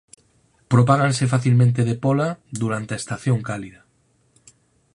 Propáganse facilmente de póla durante a estación cálida.